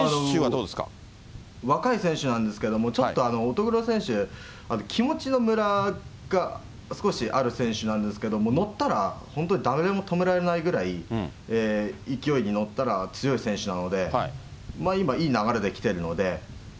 若い選手なんですけれども、ちょっと乙黒選手、やっぱり気持ちのむらが少しある選手なんですけれども、乗ったら、本当に誰にも止められないぐらい、勢いに乗ったら強い選手なので、今、いい流れで来てるので。